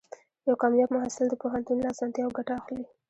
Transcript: یو کامیاب محصل د پوهنتون له اسانتیاوو ګټه اخلي.